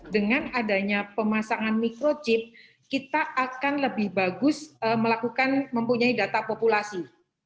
dengan adanya pemasangan microchip kita akan lebih bagus melakukan mempunyai data populasi